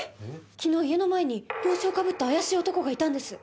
昨日家の前に帽子をかぶった怪しい男がいたんです。